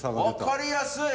わかりやすい。